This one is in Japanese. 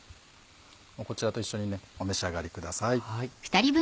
こちらと一緒にお召し上がりください。